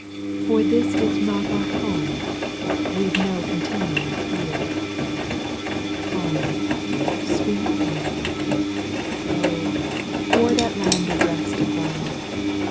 For this is not our home. We 've no continuing here. Home, sweet home I Oh ! for that land of rest above.